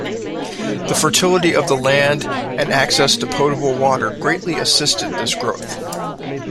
The fertility of the land and access to potable water greatly assisted this growth.